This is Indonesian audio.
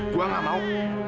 gua gak mau